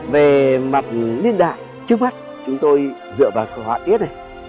về mặt niên đại trước mắt chúng tôi dựa vào khóa tiết này